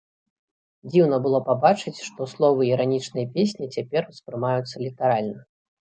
Дзіўна было пабачыць, што словы іранічнай песні цяпер успрымаюцца літаральна.